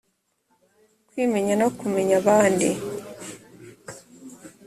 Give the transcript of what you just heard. kwimenya no kumenya abandi